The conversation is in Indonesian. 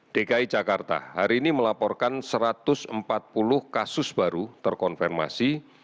dki jakarta hari ini melaporkan satu ratus empat puluh kasus baru terkonfirmasi